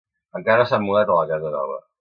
Encara no s'han mudat a la casa nova.